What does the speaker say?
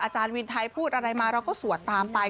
วินไทยพูดอะไรมาเราก็สวดตามไป